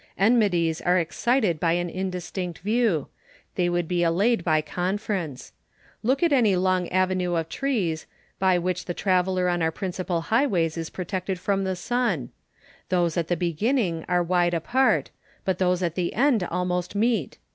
Enmi ties are excited by an indistinct view ; they would be allayed by conference. Look at any long avenue of trees, by which the traveller on our principal liighways is MARCUS lULLIUS AND QUINCTUS CICERO. 335 protected from the sun. Those at the beginning are wide apart, but those at the end almost meet.